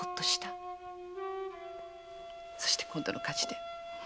そして今度の火事で。